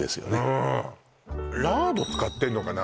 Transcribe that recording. うんラード使ってるのかな？